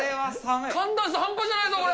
寒暖差、半端じゃないぞ、これ。